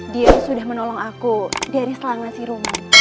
dia sudah menolong aku dari selang nasi rumah